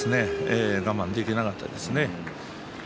我慢できなかったですね。